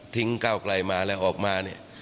ทิ้งก้าวกล่ายมาและออกมา